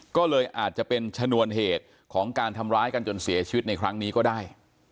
ก็เลยอาจจะเป็นชนวนเหตุของการทำร้ายกันจนเสียชีวิตในครั้งนี้ก็ได้